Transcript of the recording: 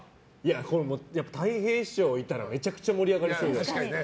やっぱたい平師匠いたらめちゃくちゃ盛り上がりそう。